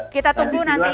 kita tunggu nanti